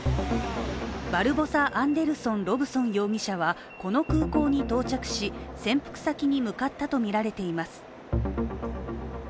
バルボサ・アンデルソン・ロブソン容疑者はこの空港に到着し潜伏先に向かったとみられています。